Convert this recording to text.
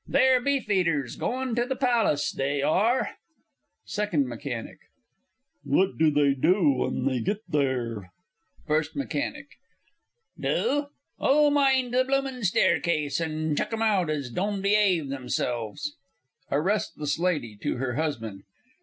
They're Beefeaters goin' to the Pallis, they are. SECOND M. What do they do when they git there? FIRST M. Do? oh, mind the bloomin' staircase, and chuck out them as don' beyave themselves. A RESTLESS LADY (to her husband).